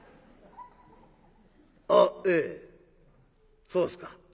「あっええそうっすか」。